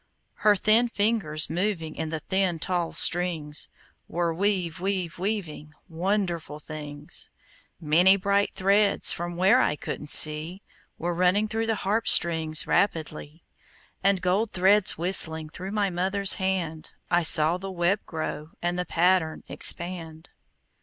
Her thin fingers, moving In the thin, tall strings, Were weav weav weaving Wonderful things. Many bright threads, From where I couldn't see, Were running through the harp strings Rapidly, And gold threads whistling Through my mother's hand. I saw the web grow, And the pattern expand.